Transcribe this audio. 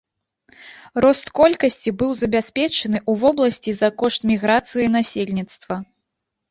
Рост колькасці быў забяспечаны ў вобласці за кошт міграцыі насельніцтва.